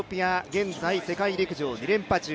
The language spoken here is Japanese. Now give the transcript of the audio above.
現在世界陸上２連覇中。